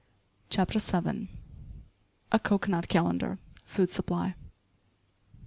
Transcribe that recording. *CHAPTER VII.* *A Cocoanut Calendar; Food Supply.